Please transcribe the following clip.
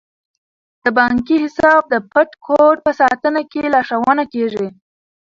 د بانکي حساب د پټ کوډ په ساتنه کې لارښوونه کیږي.